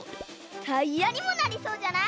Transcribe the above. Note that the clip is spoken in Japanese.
タイヤにもなりそうじゃない？